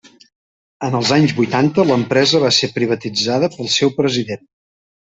En els anys vuitanta l'empresa va ser privatitzada pel seu president.